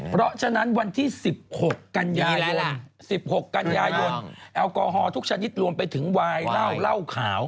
เพราะฉะนั้นวันที่๑๖กันยายน๑๖กันยายนแอลกอฮอล์ทุกชนิดรวมไปถึงวายเหล้าเหล้าขาว